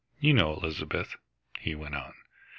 You know Elizabeth," he went on.